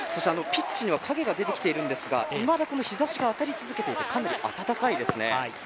ピッチには影が出てきているんですが、まだ日ざしが当たり続けている、かなり暖かいですね。